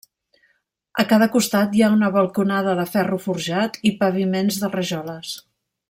A cada costat hi ha una balconada de ferro forjat i paviments de rajoles.